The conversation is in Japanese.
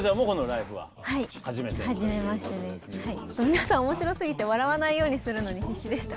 皆さん面白すぎて笑わないようにするのに必死でした。